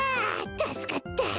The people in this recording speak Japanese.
たすかった。